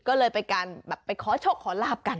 ก็เลยไปการแบบไปขอโชคขอลาบกัน